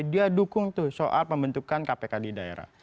dia dukung tuh soal pembentukan kpk di daerah